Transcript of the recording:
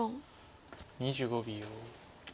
２５秒。